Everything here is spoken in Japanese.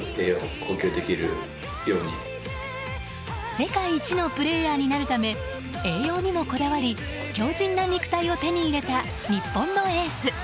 世界一のプレーヤーになるため栄養にもこだわり強靭な肉体を手に入れた日本のエース。